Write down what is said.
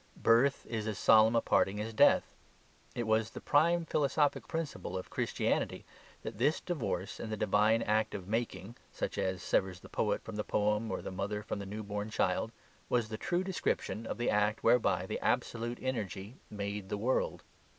Birth is as solemn a parting as death. It was the prime philosophic principle of Christianity that this divorce in the divine act of making (such as severs the poet from the poem or the mother from the new born child) was the true description of the act whereby the absolute energy made the world.